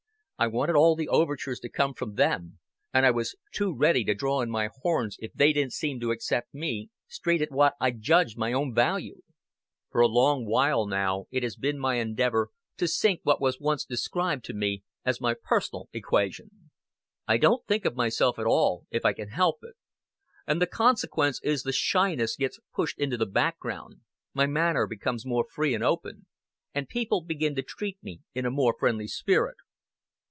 I wanted all the overtures to come from them, and I was too ready to draw in my horns if they didn't seem to accept me straight at what I judged my own value. For a long while now it has been my endeavor to sink what was once described to me as my pers'nal equation. I don't think of myself at all, if I can help it; and the consequence is the shyness gets pushed into the background, my manner becomes more free and open, and people begin to treat me in a more friendly spirit."